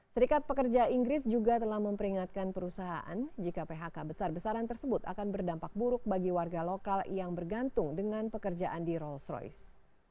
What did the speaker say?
serikat pekerja inggris juga telah memperingatkan perusahaan jika phk besar besaran tersebut akan berdampak buruk bagi warga lokal yang bergantung dengan pekerjaan di rolls royce